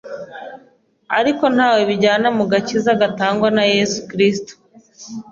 ariko ntawe bijyana mu gakiza gatangwa na Yesu Kiriristu.